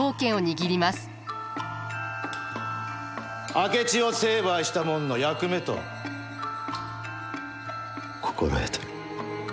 明智を成敗したもんの役目と心得とる。